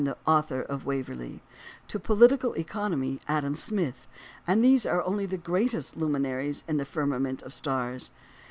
CALHOUN the "Author of Waverley"; to political economy Adam Smith; and these are only the greatest luminaries in a firmament of stars.